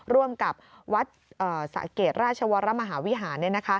ร่วมกับวัดสะเกดราชวรมหาวิหาร